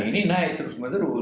ini naik terus menerus